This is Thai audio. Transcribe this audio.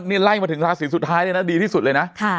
นี่ไล่มาถึงราศีสุดท้ายเลยนะดีที่สุดเลยนะ